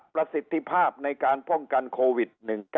ประสิทธิภาพในการป้องกันโควิด๑๙